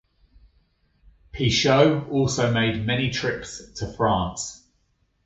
Pichot also made many trips to France.